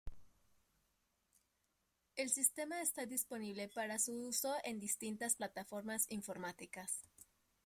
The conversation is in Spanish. El sistema está disponible para su uso en distintas plataformas informáticas.